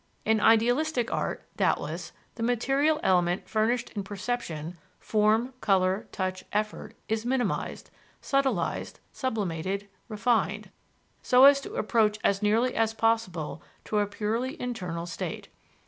In idealistic art, doubtless, the material element furnished in perception (form, color, touch, effort) is minimized, subtilized, sublimated, refined, so as to approach as nearly as possible to a purely internal state.